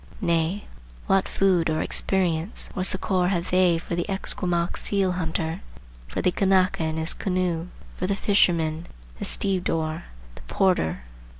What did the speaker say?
Nay, what food or experience or succor have they for the Esquimaux seal hunter, for the Kanaka in his canoe, for the fisherman, the stevedore, the porter?